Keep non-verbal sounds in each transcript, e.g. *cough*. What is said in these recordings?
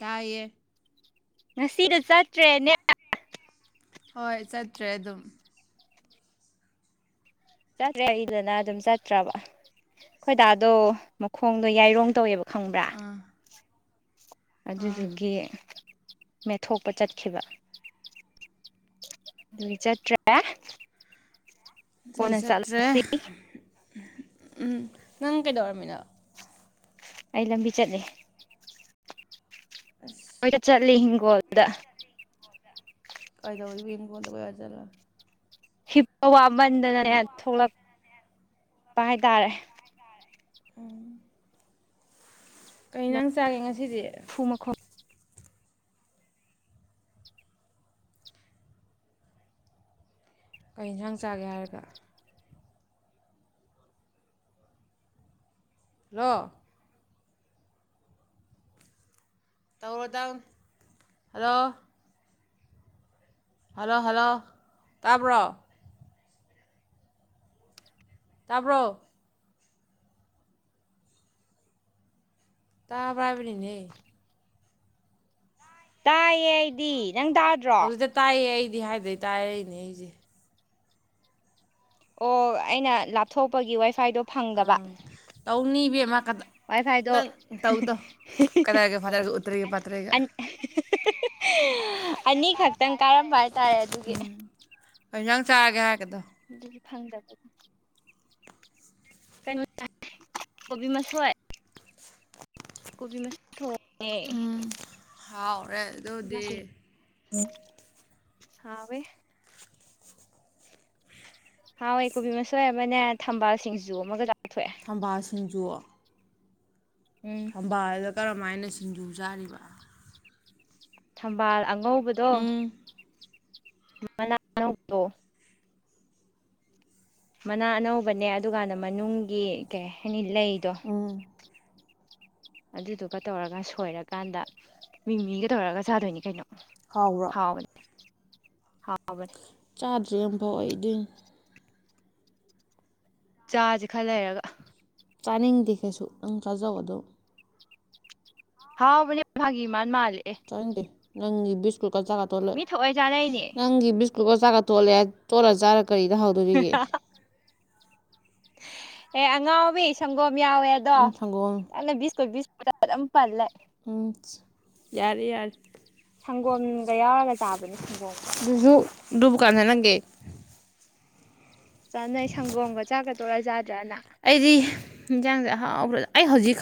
ꯇꯌꯦ ꯉꯁꯤꯗ ꯆꯠꯇ꯭ꯔꯦꯅꯦ ꯍꯣꯏ ꯆꯠꯇ꯭ꯔꯦ ꯑꯗꯨꯝ ꯆꯠꯇ꯭ꯔꯦ ꯑꯩꯗꯅ ꯑꯗꯨꯝ ꯆꯠꯇ꯭ꯔꯕ ꯈꯣꯏꯗꯥꯗꯣ ꯃꯈꯣꯡꯗꯣ ꯌꯥꯏꯔꯣꯡ ꯇꯧꯋꯦꯕꯀꯣ ꯈꯪꯕ꯭ꯔꯥ ꯑꯥ ꯑꯗꯨꯗꯨꯒꯤ ꯃꯦꯠꯊꯣꯛꯄ ꯆꯠꯈꯤꯕ ꯑꯗꯨꯒꯤ ꯆꯠꯇ꯭ꯔꯦ ꯁꯤ ꯀꯣꯟꯅ ꯆꯠꯇ꯭ꯔꯦ ꯆꯠꯂꯁꯤ ꯎꯝ ꯅꯪ ꯀꯩꯗꯧꯔꯝꯃꯤꯅꯣ ꯑꯩ ꯂꯝꯕꯤ ꯆꯠꯂꯦ ꯍꯒ ꯆꯠꯂꯤ ꯍꯤꯡꯒꯣꯜꯗ ꯀꯥꯏꯗ ꯑꯣꯏꯅꯤꯡ ꯀꯣꯗ ꯀ ꯆ ꯍꯞꯄ ꯋꯥ ꯃꯟꯗꯅ ꯊꯣꯛꯂꯛ ꯆꯠꯄ ꯍꯥꯏꯇꯥꯔꯦ ꯑ ꯀꯩꯅ ꯅꯪ ꯆꯥꯒꯦ ꯉꯁꯤ ꯐꯗꯤ ꯂꯐꯨ ꯃꯈꯣꯡ ꯀꯩ ꯏꯟꯁꯥꯡ ꯆꯥꯒꯦ ꯍꯥꯏꯔꯒ ꯂꯣ ꯇꯧꯔꯣꯗꯪ ꯑꯂꯣ ꯍꯜꯂꯣ ꯍꯜꯂꯣ ꯇꯥꯕ꯭ꯔꯣ ꯇꯥꯕ꯭ꯔꯣ ꯇꯥ ꯄ꯭ꯔꯥꯏꯕꯅꯤ ꯑ ꯇꯌꯦꯩꯗꯤ ꯍꯧꯖꯤꯛꯇ ꯇꯥꯏꯑꯌꯦ ꯑꯩ ꯗꯤ ꯍꯥꯏꯗꯩ ꯇꯥꯔꯏꯅꯦ ꯑꯩꯁꯦ ꯑꯣ ꯑꯩꯅ ꯂꯥꯞꯊꯣꯛꯄꯒꯤ ꯋꯥꯏ ꯑꯪ ꯇꯧꯅꯤꯕꯃ ꯋꯥꯏꯐꯥꯏꯗꯣ ꯅꯪ ꯇꯧꯗꯣ ꯀꯗꯥꯏꯒ ꯐꯏꯔꯒ ꯎꯠꯇꯔꯒ ꯐꯥꯠꯇ꯭ꯔꯦꯒ *unintelligible* ꯑꯅꯤꯈꯛꯇꯪ ꯀꯥꯏꯔꯝꯕ ꯍꯥꯏꯇꯥꯔꯦ ꯑꯗꯨꯒꯤ ꯆꯥꯑꯦ ꯍꯥꯏꯒꯗ ꯑꯗꯨꯗꯤ ꯐꯪꯖꯕ ꯀꯩꯅꯣ ꯀꯣꯕꯤ ꯃꯁꯣꯏ ꯀꯣꯕꯤ ꯃꯣꯏ ꯊꯣꯡꯉꯦ ꯍꯥꯎ ꯍꯔꯦ ꯑꯗꯨꯗꯤ ꯍꯕꯦ ꯍꯥꯎ ꯑꯩꯀꯣꯕꯤ ꯃꯁꯦ ꯃ ꯊꯝꯕꯥꯜ ꯁꯤꯡꯖꯨ ꯑꯃꯒ ꯆꯥꯊꯣꯛꯑꯦ ꯊꯝꯕꯥꯜ ꯁꯤꯡꯖꯨ ꯎꯝ ꯊꯕꯥꯗ ꯀꯔ ꯑꯗꯨꯃꯥꯏꯅ ꯁꯤꯡꯖꯨ ꯆꯥꯔꯤꯕ ꯊꯝꯕꯥꯜ ꯉꯕꯗꯣ ꯎꯝ ꯃꯅꯥꯅꯗ ꯃꯅꯥ ꯑꯅꯧꯕꯅꯦ ꯑꯗꯨꯀꯥꯟꯗ ꯃꯅꯨꯡꯒꯤ ꯀꯩ ꯍꯥꯏꯅꯤ ꯂꯩꯗꯣ ꯎꯝ ꯑꯗꯨꯗꯨꯒ ꯇꯧꯔꯒ ꯁꯣꯏꯔꯀꯥꯟꯗ ꯃꯤꯡ ꯃꯤꯒ ꯇꯧꯔꯒ ꯆꯥꯗꯣꯏꯅꯤ ꯀꯩꯅꯣ ꯍꯥꯎꯔ ꯍ ꯆꯥꯖꯝ ꯊꯣꯏꯗꯤ ꯆꯥꯁꯦ ꯈꯔ ꯂꯩꯔꯒ ꯆꯥꯅꯤꯡꯗꯦ ꯀꯩꯁꯨ ꯅꯪ ꯆꯥꯖꯧ ꯑꯗꯣ ꯍꯥꯎ ꯃꯅꯦ ꯍꯥꯏꯒꯤ ꯏ ꯃꯥꯥꯟ ꯃꯥꯜ ꯆꯪꯗꯦ ꯅꯪꯒꯤ ꯤꯁꯀ ꯆ ꯇꯣꯂ ꯃꯤ ꯊꯑꯣꯏ ꯆꯥꯅꯩꯅꯦ ꯅꯪꯒꯤ ꯕꯤꯁꯀꯨꯠ ꯀ ꯆ ꯇꯣꯂ ꯇꯣꯂꯥꯖꯥꯔꯒ ꯀꯔꯤꯗ ꯍꯥꯎꯗꯣꯔꯤꯒꯦ ꯑꯦ ꯑꯉꯥꯡꯕ ꯁꯪꯒꯣ ꯀ ꯌꯥꯎꯋꯦꯗꯣ ꯎꯝ ꯁꯪꯒꯣꯝ ꯑꯩꯅꯕꯤꯁ ꯀꯣꯏꯁ ꯔꯝ ꯄꯔꯂꯦ ꯎꯝ ꯌꯥꯔꯦ ꯁꯪꯒꯣꯝꯒ ꯌꯥꯎꯔꯒ ꯆꯥꯕꯅꯤ ꯁꯪꯒꯣꯝꯒ ꯗꯗꯨꯕ ꯀꯥꯟ ꯍꯥꯏ ꯂꯪꯒꯦ ꯆꯥꯅꯩ ꯁꯪꯒꯣꯝꯒ ꯆꯥꯒꯠ ꯇꯧꯖꯥ꯭ꯔ ꯅ ꯑꯩꯗꯤ ꯌꯦꯟꯁꯥꯡꯁꯦ ꯑꯍꯥꯎꯈ꯭ꯔ ꯑꯩ ꯍꯧꯖꯤꯛ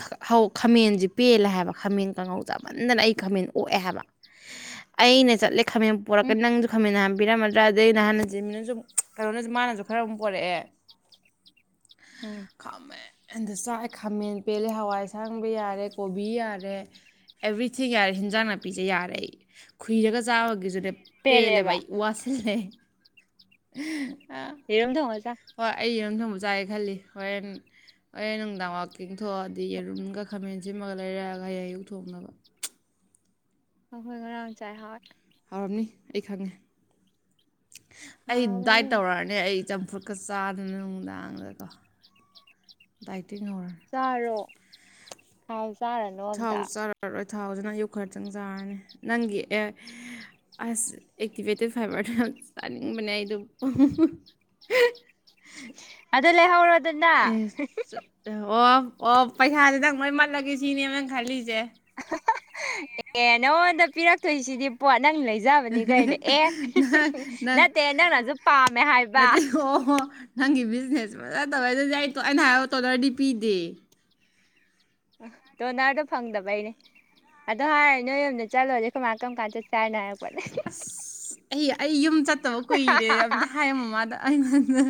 ꯈꯥꯃꯦꯟꯁꯤꯦ ꯄꯦꯜꯂꯦ ꯍꯥꯏꯕ ꯈꯥꯃꯦꯟ ꯀꯥꯡꯉꯧ ꯆꯥꯃꯟꯗꯅ ꯑꯩ ꯈꯥꯃꯦꯟ ꯑꯣꯛꯑꯦ ꯍꯥꯏꯕ ꯑꯩꯅ ꯆꯠꯂꯦ ꯈꯥꯝꯦꯟ ꯎꯝ ꯄꯣꯔꯛꯀꯗ ꯅꯪꯁꯨ ꯈꯝꯃꯦꯟꯅ ꯍꯥꯏ ꯄꯕꯤꯔꯝꯃꯗ꯭ꯔꯥ ꯑꯗꯩ ꯅꯍꯥꯟꯅꯁꯤ ꯃꯤꯅꯁꯨ ꯀꯩꯅꯣꯅꯁꯨ ꯃꯥꯅꯁꯨ ꯈꯔ ꯑꯃꯨꯛ ꯄꯣꯔꯛꯑꯦ ꯎꯝ ꯈꯝꯃꯦ ꯑꯟꯗ ꯆꯥꯛꯑꯦ ꯈꯥꯃꯦꯟ ꯄꯦꯜꯂꯦ ꯍꯋꯥꯏ ꯑꯁꯥꯡꯕ ꯌꯥꯔꯦ ꯀꯣꯕꯤ ꯌꯥꯔꯦ ꯑꯦꯚ꯭ꯔꯤꯊꯤꯡ ꯌꯥꯔꯦ ꯍꯤꯟꯖꯥꯡ ꯅꯥꯄꯤꯁꯦ ꯌꯥꯔꯦ ꯑꯩ ꯈꯨꯏꯔꯒ ꯆꯥꯕꯒꯤꯁꯨꯅꯦ ꯄꯦꯜꯂꯦꯕ ꯄꯦꯂꯕꯥꯏ ꯎ ꯋꯥꯁꯤꯦ *unintelligible* ꯌꯦꯔꯨꯝ ꯊꯣꯡꯉ ꯆꯥ ꯑꯣ ꯑꯩ ꯌꯦꯨꯝ ꯊꯣꯡꯕ ꯆꯥꯏꯒꯦ ꯈꯜꯂꯤ ꯍꯣꯔꯦꯟ ꯍꯣꯔꯦꯟ ꯅꯨꯡꯗꯥꯡ ꯋꯥꯋꯥꯛꯀꯤꯡꯊ ꯊꯣꯛꯑꯗꯤ ꯌꯦꯔꯨꯝꯒ ꯈꯥꯃꯦꯟ ꯁꯦꯝꯃꯒ ꯂꯩꯔꯛꯑꯒ ꯍꯌꯦ ꯑꯌꯨꯛ ꯊꯣꯡꯅꯕ ꯑꯈꯣꯏ ꯉꯔꯥꯡ ꯆꯥꯏ ꯍꯥꯠ ꯄꯝꯅꯤ ꯑꯩ ꯈꯪꯉꯦ ꯑꯩ ꯍꯥꯎꯋꯦ ꯗꯥꯏꯠ ꯇꯧꯔꯛꯑꯅꯤ ꯑꯩ ꯆꯝꯐꯨꯠ ꯆꯥꯗꯅ ꯅꯨꯡꯗꯥꯡꯗꯀꯣ ꯍꯧꯔꯅꯤ ꯆꯔꯣ ꯍꯥꯎꯁ ꯆꯥꯅꯅꯣ ꯑꯝꯇ ꯆ ꯊꯥꯎꯁꯤꯅ ꯌꯣꯛꯈꯠ ꯆꯪ ꯆꯥꯔꯅꯤ ꯅꯪꯒꯤ ꯑꯦ ꯑꯁ ꯑꯦꯛꯇꯤꯚꯦꯇꯦꯠ ꯐꯥꯏꯕꯔꯗꯨꯅ ꯆꯥꯅꯤꯡꯕꯅꯦ ꯑꯩꯗ ꯑꯗꯨ ꯂꯩ ꯑꯦ ꯑꯣ ꯑꯣ ꯄꯩꯁꯥꯥꯁꯦ ꯅꯪ ꯃꯣꯏ ꯃꯥꯜꯂꯒꯦ ꯁꯤꯅꯦ ꯑꯃ ꯅꯪ ꯈꯜꯂꯤꯁꯦ ꯑꯦ ꯅꯉꯣꯟꯗ ꯄꯤꯔꯛꯇꯣꯏꯁꯤꯗꯤ ꯄꯣꯠ ꯅꯪ ꯂꯩꯖꯕꯅꯤ ꯀꯔꯤꯗꯣ ꯑꯦ ꯅꯪ ꯅꯪ ꯅꯠꯇꯦ ꯅꯪꯅꯁꯨ ꯄꯥꯝꯃꯦ ꯍꯥꯏꯕ ꯅꯠꯇꯦ ꯑꯣ ꯅꯪꯒꯤ ꯕꯤꯖꯤꯅꯦꯁ ꯐꯖꯅ ꯇꯧꯋꯦ ꯑꯗꯨꯗꯤ ꯑꯩ ꯑꯩꯅ ꯍꯥꯏ ꯇꯣꯗꯔꯗꯤ ꯄꯤꯗꯦ ꯗꯣꯅꯔꯗꯣ ꯐꯪꯗꯕꯩꯅꯦ ꯑꯗꯣ ꯍꯥꯏꯔ ꯅꯣꯏ ꯌꯨꯝꯝꯗ ꯆꯠꯂꯨꯔꯁꯦ ꯀꯃꯥꯏ ꯀꯔꯝ ꯀꯥꯟ ꯆꯠ ꯆꯥꯅꯣ ꯍꯥꯏꯕꯣ ꯃ ꯑꯩ ꯑꯩ ꯌꯨꯝ ꯆꯠ ꯐꯠꯇꯕ ꯀꯨꯏꯔꯦ ꯑꯝꯇ ꯍꯥꯏ ꯃꯃꯥꯗ ꯑꯩꯉꯣꯟꯗ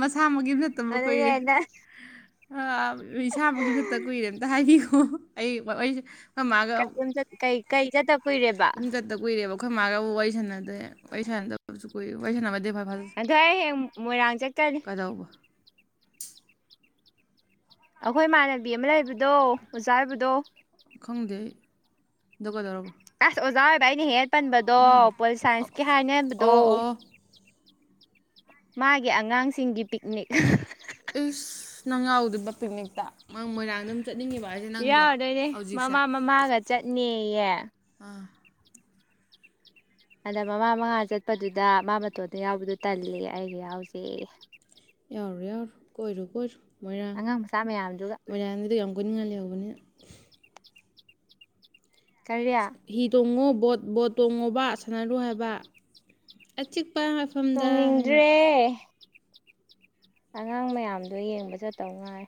ꯃꯁꯥ ꯃ ꯑꯗꯨꯅꯦꯅ ꯏꯁꯥꯃꯛ ꯃꯊꯛꯇ ꯀꯨꯏꯔꯦ ꯑꯝꯇ ꯍꯥꯏꯕꯤꯈꯣ ꯑꯩꯁꯦ ꯀ ꯀꯩ ꯀꯩꯗꯗ ꯏꯝꯇꯠꯇ ꯀꯨꯏꯔꯦꯕ ꯑꯩꯈꯣꯏ ꯃꯥꯒ ꯋꯥꯔꯤ ꯁꯥꯟꯅꯗꯦ ꯋꯥꯔꯤ ꯁꯥꯟꯅꯗꯕꯁꯨ ꯀꯨꯏꯔꯦ ꯋꯥꯔꯤ ꯁꯥꯟꯅꯕ ꯑꯗꯣ ꯑꯩ ꯍꯥꯌꯦꯡ ꯃꯣꯏꯔꯥꯡ ꯆꯠꯀꯅꯤ ꯀꯩꯗꯧꯕ ꯑꯩꯈꯣꯏ ꯏꯃꯥꯟꯅꯕꯤ ꯑꯃ ꯂꯩꯕꯗꯣ ꯑꯣꯖꯥ ꯑꯣꯏꯕꯗꯣ ꯈꯪꯗꯦ ꯑꯗꯧ ꯀꯩꯗꯧꯔꯕ ꯀꯁ ꯑꯣꯖꯥꯎꯋꯕꯥꯏꯅꯤꯍꯦꯠ *inaudible* ꯄꯟꯕꯗꯣ ꯄꯣꯜ ꯁꯥꯏꯟꯁꯀꯤ ꯍꯥꯏꯅꯕꯗꯣ ꯑꯣ ꯑꯣ ꯃꯥꯒꯤ ꯑꯉꯥꯡꯁꯤꯡꯒꯤ ꯄꯤꯛꯅꯤꯛ ꯅꯪ ꯌꯥꯎꯗꯨꯢꯕ ꯄꯤꯛꯅꯤꯛꯇ ꯃꯣꯏꯔꯥꯡ ꯌꯥꯎꯔꯨꯗꯣꯏꯅꯦ ꯃꯃꯥ ꯃꯃꯥꯒ ꯆꯠꯅꯦꯌꯦ ꯑꯥ ꯑꯗꯥ ꯃꯃꯥ ꯃꯉꯥ ꯆꯠꯄꯗꯨꯗ ꯃꯥ ꯃꯇꯣꯟꯗ ꯌꯥꯎꯕꯗꯣ ꯇꯜꯂꯦ ꯑꯩꯒ ꯌꯥꯎꯁꯦꯌꯦ ꯌꯥꯎꯔꯣꯢ ꯌꯥꯎꯔꯣꯢ ꯀꯣꯏꯔꯨ ꯀꯣꯢꯔꯨ ꯑꯉꯥꯡ ꯃꯆꯥ ꯃꯌꯥꯝꯗꯨꯒ ꯈꯣꯏ ꯉꯂꯤ ꯌꯥꯕꯅꯤ *inaudible* ꯀꯔꯤ ꯍꯤ ꯇꯣꯡꯉꯣ ꯕꯣꯠ ꯕꯣꯠ ꯇꯣꯡꯉꯣꯕ ꯁꯥꯟꯅꯔꯨ ꯍꯥꯏꯕ ꯑꯆꯤꯛ ꯇꯣꯡꯅꯤꯡꯗ꯭ꯔꯦ ꯑꯉꯥꯡ ꯃꯌꯥꯝꯗꯣ ꯌꯦꯡꯕ ꯆꯠ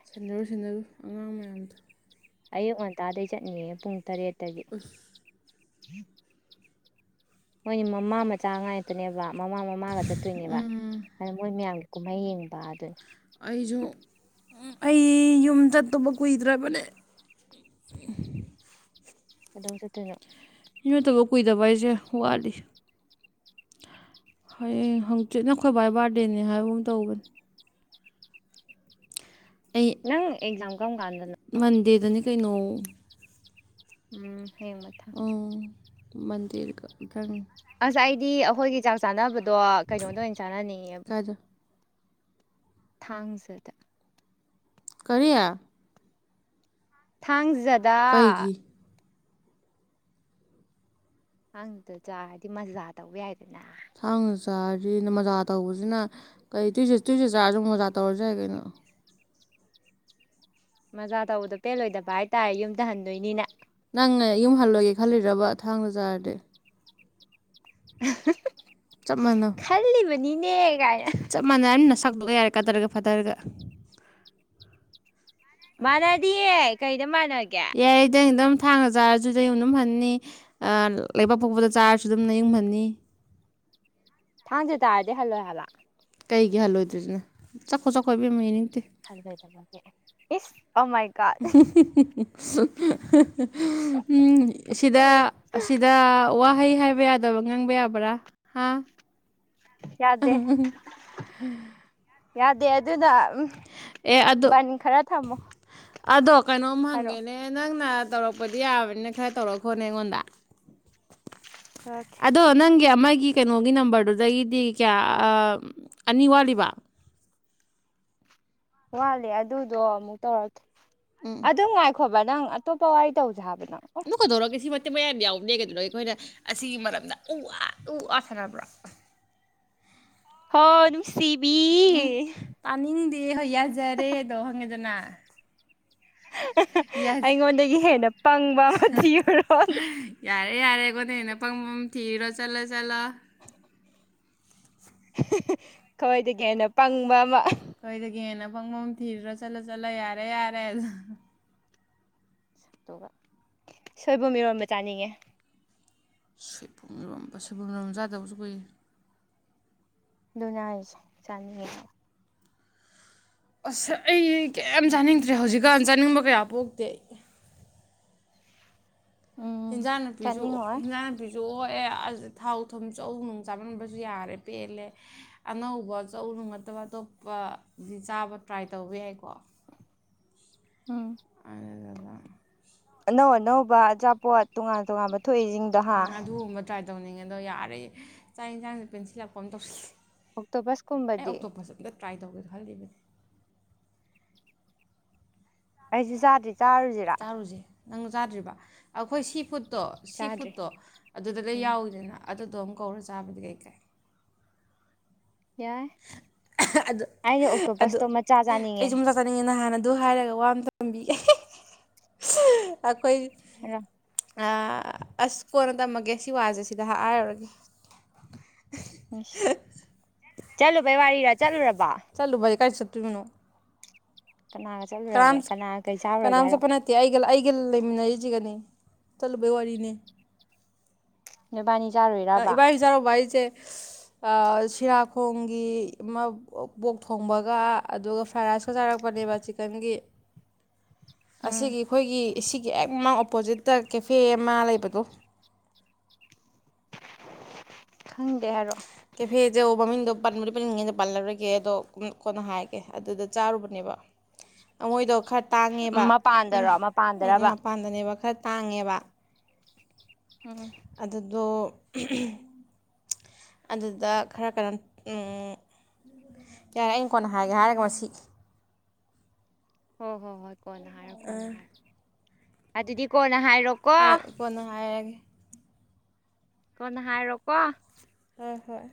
ꯁꯟꯅꯔꯨ ꯁꯟꯅꯔꯨ ꯑꯉꯥꯡ ꯃꯌꯥꯝꯗꯣ ꯑꯌꯨꯛ ꯉꯟꯇꯥꯗꯩ ꯆꯠꯅꯤꯉꯦ ꯄꯨꯡ ꯇꯔꯦꯠꯇꯒꯤ ꯎꯝ *inaudible* ꯃꯣꯏꯒꯤ ꯃꯃꯥ ꯃꯆꯥ ꯉꯥꯢꯕꯅꯦꯕ ꯃꯃꯥ ꯃꯃꯥꯒ ꯆꯠꯇꯣꯏꯅꯤꯅ ꯑꯗꯨ ꯃꯣꯏ ꯃꯌꯥꯝꯒꯤ ꯀꯨꯝꯍꯩ ꯌꯦꯡꯕ ꯍꯥꯢꯗꯨꯅꯤ ꯑꯩꯁꯨ ꯑꯩ ꯌꯨꯝ ꯆꯠꯇꯨꯕ ꯀꯨꯏꯗ꯭ꯔꯕꯅꯦ ꯑꯗꯨꯝ ꯆꯠꯇꯣꯏꯅꯣ ꯁꯤ ꯅꯠꯇꯕ ꯀꯨꯏꯗꯕ ꯍꯥꯏꯁꯦ ꯋꯥꯠꯂꯤ ꯍꯌꯦꯡ ꯍꯪꯆꯤꯠꯅ ꯈꯣꯏ ꯕꯥꯏ ꯕꯥꯔꯗꯦꯅꯦ ꯍꯥꯏꯕꯒꯨꯝ ꯇꯧꯕꯅꯦ ꯑꯩ ꯅꯪ ꯑꯦꯛꯖꯝ ꯃꯟꯗꯦꯗꯅꯤ ꯀꯩꯅꯣ ꯎꯝ ꯍꯦꯡ ꯃꯊꯥ ꯃꯟꯗꯤꯔꯒ ꯒꯪ ꯑꯁ ꯑꯩꯗꯤ ꯑꯩꯈꯣꯏꯒꯤ ꯆꯥꯛ ꯆꯥꯅꯕꯗꯣ ꯗꯣ ꯀꯩꯅꯣꯗ ꯑꯣꯏꯅ ꯆꯥꯟꯅꯅꯤꯡꯉꯦꯕꯨ ꯀꯥꯏꯗ ꯊꯥꯡꯖꯗ ꯀꯔꯤꯌꯥ ꯊꯥꯡꯖꯠ *unintelligible* ꯀꯩꯒꯤ ꯍꯪꯗꯨꯗ ꯆꯥꯔꯗꯤ ꯃꯖꯥ ꯇꯧꯕ ꯌꯥꯏꯗꯅ ꯊꯥꯡꯅ ꯆꯥꯔꯤꯅ ꯃꯣꯖꯥ ꯇꯧꯕꯁꯤꯅ ꯀꯩ ꯇꯨ ꯇꯨꯏꯁꯦꯠ ꯆꯥꯔꯁꯨꯨꯛ ꯃꯣꯖꯥ ꯇꯧꯔꯁꯨ ꯌꯥꯏ ꯀꯩꯅꯣ ꯃꯖꯥ ꯇꯧꯕꯗꯣ ꯄꯦꯜꯂꯣꯏꯗꯕ ꯍꯥꯏꯇꯥꯔꯦ ꯌꯨꯝꯗ ꯍꯟꯗꯣꯏꯅꯤꯅꯦ ꯅꯪꯅ ꯌꯨꯝ ꯍꯜꯂꯣꯏꯒꯦ ꯈꯜꯂꯤꯔꯕ ꯊꯥꯡꯗ ꯆꯥꯔꯗꯤ *unintelligible* ꯆꯞ ꯃꯥꯟꯅ ꯈꯜꯂꯤꯕꯅꯤꯅꯦ ꯀꯥꯏꯅ ꯆꯞ ꯃꯥꯟꯅ ꯌꯥꯝ ꯊꯗꯣꯛꯑ ꯌꯥꯔꯦ ꯀꯥꯊꯔꯒ ꯐꯊꯔꯒ ꯃꯥꯅꯗꯤ ꯀꯩ ꯌꯥꯇꯗꯝꯝ ꯊꯥꯡꯅ ꯆꯥꯔꯁꯨꯗꯨꯝ ꯑꯗꯨꯝ ꯐꯅꯤ ꯂꯩꯕꯥꯛ ꯄꯣꯛꯄꯗ ꯆꯥꯔꯁꯨ ꯑꯗꯨꯝꯅ ꯌꯨꯡ ꯐꯅꯤ ꯊꯥꯡꯖ ꯇꯥꯔꯗꯦ ꯍꯜꯂꯣ ꯍꯥꯂ ꯀꯩꯒꯤ ꯍꯜꯂꯣꯏꯗꯣꯏꯁꯤꯅꯦ ꯆꯥꯛꯈꯣ ꯆꯥꯛꯈꯣ ꯏꯕꯤꯦꯝꯝ ꯏꯅꯤ ꯐꯗ ꯇꯕ ꯏꯁ ꯑꯃꯥꯏꯀꯥꯁ ꯁ ꯎꯝ ꯁꯤꯗ ꯑꯁꯤꯗ ꯋꯥꯍꯩ ꯍꯥꯏꯕ ꯌꯥꯗꯕ ꯉꯪꯕ ꯌꯥꯕ꯭ꯔꯥ ꯍꯥ ꯌꯥꯗꯦ ꯎꯝ ꯌꯥꯗꯦ ꯑꯗꯨꯅ ꯎ ꯑꯗꯣ ꯕꯥꯅꯤ ꯈꯔ ꯊꯝꯃꯣ ꯑꯗꯣ ꯀꯩꯅꯣꯝ ꯍꯥꯏꯔꯛꯑꯣ ꯍꯪꯒꯦꯅꯦ ꯅꯪꯅ ꯇꯧꯔꯛꯄꯗꯤ ꯌꯥꯕꯅꯤꯅ ꯈꯔ ꯇꯧꯔꯈꯣꯅꯦ ꯑꯩꯉꯣꯟꯗ ꯇꯧꯔꯛꯀꯦ ꯑꯗꯣ ꯅꯪ ꯌꯥ ꯃꯥꯒꯤ ꯀꯩꯅꯣꯒꯤ ꯅꯝꯕꯔꯗꯨꯗꯒꯤꯗꯤ ꯀꯌꯥ ꯑꯅꯤ ꯋꯥꯠꯂꯤꯕ ꯋꯥꯠꯂꯦ ꯑꯗꯨꯗꯣ ꯑꯃꯨꯛ ꯇꯧꯔꯦ ꯑꯗꯨ ꯉꯅꯨꯡꯉꯥꯏꯈꯣ ꯅꯪ ꯑꯇꯣꯞꯄ ꯋꯥꯏ ꯇꯧꯖꯦ ꯍꯥꯏꯕꯅꯤ ꯏ ꯀꯗꯧꯔꯣ ꯀ ꯁꯤ ꯃꯌꯥꯝ ꯌꯥꯎꯕꯅꯦ ꯀꯩꯗꯅ ꯑꯩꯈꯣꯏꯅ ꯑꯁꯤꯒꯤ ꯃꯔꯝꯗ ꯎ ꯑ ꯎ ꯑ ꯁꯅꯕ꯭ꯔꯥ ꯍ ꯑꯗꯨ ꯁꯤꯕꯤ ꯎꯝ ꯇꯥꯅꯤꯡꯗꯦ ꯍꯣꯏ ꯌꯥꯖꯔꯦꯗꯣ ꯍꯪꯉꯦꯗꯅ ꯌꯥꯖ ꯑꯩꯉꯣꯟꯗꯒꯤ ꯍꯦꯟꯅ ꯄꯪꯕ ꯑꯃ ꯊꯤꯔꯨꯔꯣ ꯑꯗ ꯌꯥꯔꯦꯒꯣꯟꯗꯦꯅ ꯄꯪꯝ ꯊꯤꯔꯣ ꯆꯠꯂ ꯆꯠꯂ ꯈꯣꯏꯗꯒꯤ ꯍꯟꯅ ꯄꯪꯕ ꯑꯃ ꯀꯣꯏꯒꯦꯟꯅ ꯄꯪꯕꯝ ꯊꯤꯗ꯭ꯔꯥ ꯆꯠꯂ ꯆꯠꯂ ꯌꯥꯔꯦ ꯌꯥꯔꯦ ꯑꯗꯨꯗ ꯁ ꯁꯣꯏꯕ ꯃꯤꯔꯣꯟꯕ ꯆꯥꯅꯤꯡꯉꯦ ꯁꯣꯏꯕꯨꯝꯔꯣꯝꯕ ꯁꯣꯏꯕꯨꯝꯔꯣꯝ ꯆꯥꯗꯕꯁꯨ ꯀꯨꯏ ꯗꯨꯅꯥꯏꯁ ꯆꯅꯤ ꯑꯁꯤꯁ ꯑꯩ ꯀꯌꯥꯝ ꯆꯥꯅꯤꯡꯗ꯭ꯔꯦ ꯁꯣꯏꯕꯨꯝꯒ ꯍꯧꯖꯤꯛꯀꯥꯟ ꯆꯥꯅꯤꯡꯕ ꯀꯌꯥ ꯄꯣꯛ ꯇꯦ ꯎꯝ ꯏꯟꯖꯥꯡ ꯅꯨꯄꯤꯁꯨ ꯆꯥꯅꯤꯡꯉꯛꯑꯣꯏ ꯏꯟꯖꯥꯡ ꯅꯨꯄꯤꯁꯨ ꯑꯣ ꯑꯦ ꯊꯥꯎ ꯊꯨꯝ ꯆꯧ ꯅꯨꯡ ꯆꯥꯃꯟꯕꯁꯨ ꯌꯥꯔꯦ ꯄꯦꯜꯂꯦ ꯑꯅꯧꯕ ꯆꯧ ꯅꯨꯡ ꯅꯠꯇꯕ ꯑꯇꯣꯞꯄ ꯗꯤ ꯆꯥꯕ ꯇ꯭ꯔꯥꯏ ꯇꯧꯕ ꯌꯥꯏꯀꯣ ꯎꯝ ꯑꯗꯨꯒ ꯑꯅꯧ ꯑꯅꯧꯕ ꯑꯆꯥꯄꯣꯠ ꯇꯣꯉꯥꯟ ꯇꯣꯉꯥꯟꯕ ꯊꯣꯛꯏꯁꯤꯡꯗꯍꯥ ꯎꯝ ꯑꯗꯨꯒꯨꯝꯕ ꯇ꯭ꯔꯥꯏ ꯇꯧꯅꯤꯡꯉꯦ ꯑꯗꯣ ꯌꯥꯔꯦꯌꯦꯦ ꯆꯥꯛ ꯌꯦꯟꯁꯥꯡꯁ ꯄꯦꯟꯁꯤꯜꯂꯛꯄ ꯑꯃ ꯇꯧꯁꯤꯜꯂꯦ ꯑꯩ ꯑꯣꯛꯇꯣꯕꯁꯀꯨꯝꯕꯗꯤ ꯑꯣꯛꯇꯣꯄꯁ ꯑꯝꯇ ꯇ꯭ꯔꯥꯏ ꯇꯧꯒꯦꯗ ꯈꯜꯂꯤꯕꯅꯦ ꯑꯩꯁꯨꯦ ꯆꯗꯦ ꯆꯥꯔ ꯖꯤꯔꯥ ꯆꯥꯔꯨꯁꯦ ꯅꯪ ꯌꯥꯥꯗ꯭ꯔꯤꯕ ꯑꯩꯈꯣꯏ ꯁꯤ ꯐꯨꯠ ꯇꯣ ꯁꯤ ꯆꯥꯗ꯭ꯔꯤ ꯐꯨꯗꯠꯇꯣ ꯑꯗꯨꯗ ꯂꯣꯏ ꯎꯝ ꯌꯥꯎꯏꯤꯗꯅ ꯑꯗꯨꯗꯣ ꯑꯃꯨꯛ ꯀꯧꯔ ꯆꯕꯗ ꯀꯩ ꯀꯦ ꯌꯥꯏ ꯑꯗꯨ ꯑꯩꯅ ꯑꯣꯛꯇꯣ ꯑꯗꯨ ꯕꯁꯇꯣ ꯃꯆꯥ ꯑꯩ ꯆꯥꯅꯤꯡꯉꯦ ꯁꯨꯝ ꯆꯥꯛ ꯆꯥꯅꯤꯡꯉꯦ ꯅꯍꯥꯟ ꯑꯗꯨ ꯍꯥꯏꯔꯒ ꯋꯥ ꯑꯃ ꯇꯝꯕꯤ ꯑꯩꯈꯣꯏ ꯑ ꯑꯁ ꯀꯣꯟꯅ ꯇꯝꯃꯒꯦ ꯁꯤ ꯋꯥꯁꯦ ꯁꯤꯗ ꯍꯥꯏꯔꯨꯔꯒꯦ ꯁ ꯆꯂꯣ ꯚ ꯋꯥꯔꯤ ꯋꯥꯔꯤꯔ ꯆꯂ ꯔ ꯆꯜꯂꯨ ꯀꯥꯏ ꯆ ꯇꯤꯅꯨ ꯀꯅꯥꯒ ꯆꯠꯂꯨꯔꯒꯦ ꯀꯅꯥꯒ ꯀꯩ ꯆꯥꯔꯨꯔꯒꯦ ꯍꯥꯏꯔꯣ ꯒꯤꯜ ꯂꯩꯃꯤꯟꯅꯏꯖꯤꯒꯥꯅꯤ ꯆꯂꯨꯕꯩ ꯋꯥꯔꯤ ꯋꯥꯔꯤꯅꯦ ꯕꯥꯅꯤ ꯑ ꯏꯕꯥꯥꯏ ꯍꯁꯔꯣ ꯋꯥꯕꯥꯏꯁꯦ ꯁ ꯑꯥ ꯁꯤꯔꯥꯈꯣꯡꯒꯤ ꯑꯃ ꯕꯣ ꯄꯣꯛ ꯊꯣꯡꯕꯒ ꯑꯗꯨꯒ ꯐ꯭ꯔꯥꯏ ꯔꯥꯏꯁꯀ ꯆꯥꯔꯛꯄꯅꯦꯕ ꯆꯤꯀꯟꯒꯤ ꯎꯝ ꯑꯁꯤꯒꯤ ꯏꯈꯣꯏꯒꯤ ꯁꯤꯒꯤ ꯍꯦꯛ ꯃꯃꯥꯡ ꯑꯣꯄꯣꯖꯤꯠꯇ ꯀꯦꯐꯦ ꯑꯃ ꯂꯩꯕꯗꯣ ꯈꯪꯗꯦ ꯍꯥꯏꯔꯣꯛꯑꯣ ꯀꯦꯐꯦꯖꯦ ꯑꯎꯃꯃꯤꯡꯗꯣ ꯄꯟꯕꯗꯤ ꯄꯟꯅꯤꯡꯉꯦ ꯑꯗꯣ ꯄꯜꯂꯔꯣꯏꯒꯦ ꯑꯗꯣ ꯀꯨꯝ ꯀꯣꯟꯅ ꯍꯥꯏꯒꯦ ꯑꯗꯨꯗ ꯆꯥꯔꯨꯕꯅꯦꯕ ꯑꯃꯣꯏꯗꯣ ꯈꯔ ꯇꯥꯡꯉꯦꯕ ꯎꯝ ꯎꯝ ꯃꯄꯥꯟꯗꯔꯣ ꯎꯝ ꯎꯝ ꯃꯄꯥꯟꯗꯔꯕ ꯃꯄꯥꯟꯗꯅꯦꯕ ꯈꯔ ꯇꯥꯡꯉꯦꯕ ꯎꯝ ꯑꯗꯨꯗꯣ *inaudible* ꯑꯗꯨꯗ ꯈꯔ ꯀꯩꯅꯣ ꯎꯪꯎꯪ ꯌꯥꯔꯦ ꯑꯩꯅ ꯀꯣꯟꯅ ꯍꯥꯏꯒꯦ ꯍꯥꯏꯔꯒ ꯃꯁꯤ ꯍꯣ ꯍꯣ ꯍꯣꯏ ꯀꯣꯟꯅ ꯍꯥꯏꯔꯣ ꯀꯣꯟꯅ ꯍꯥꯏꯔꯣ ꯑꯩꯗꯤ ꯀꯣꯏ ꯍꯣꯏ ꯀꯣꯟꯅ ꯍꯥꯏꯔꯒꯦ ꯀꯣꯟꯅ ꯍꯥꯏꯔꯣꯀꯣ ꯍꯣꯏ ꯍꯣꯏ